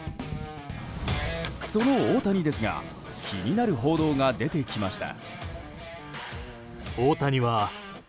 その大谷ですが気になる報道が出てきました。